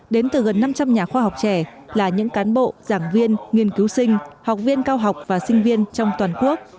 đến từ gần năm trăm linh nhà khoa học trẻ là những cán bộ giảng viên nghiên cứu sinh học viên cao học và sinh viên trong toàn quốc